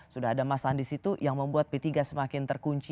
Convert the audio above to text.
sudah ada mas andi situ yang membuat p tiga semakin terkunci